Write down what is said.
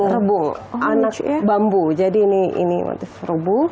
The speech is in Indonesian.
rebung anak bambu jadi ini motif rebung